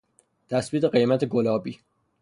تثبیت قیمت گلابی